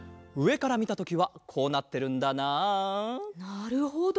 なるほど。